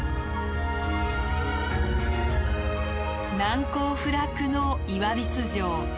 難攻不落の岩櫃城。